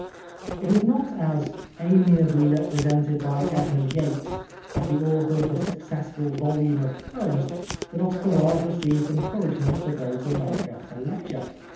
It was not, as amiably represented by Edmund Yates, as the author of a successful volume of poems that Oscar Wilde received encouragement to go to America to lecture.